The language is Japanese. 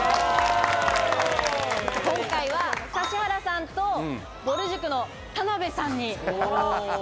今回は指原さんと、ぼる塾の田辺さんに。